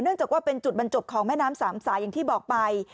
จากว่าเป็นจุดบรรจบของแม่น้ำสามสายอย่างที่บอกไป